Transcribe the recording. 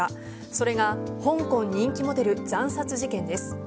それが香港人気モデル惨殺事件です。